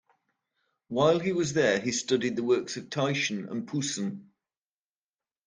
While he was there, he studied the works of Titian and Poussin.